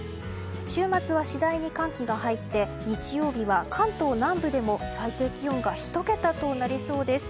週末は次第に寒気が入って日曜日は関東南部でも最低気温が１桁となりそうです。